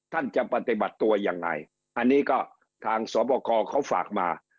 ท่านจะปฏิบัติตัวยังไงอันนี้ก็ทางสวบกรเขาฝากมา